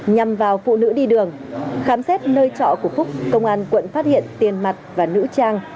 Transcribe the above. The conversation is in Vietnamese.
nhằm vào phụ nữ đi đường khám xét nơi trọ của phúc công an quận phát hiện tiền mặt và nữ trang